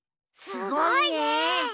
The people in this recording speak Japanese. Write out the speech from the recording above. すごいね！